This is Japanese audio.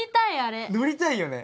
乗りたいよね。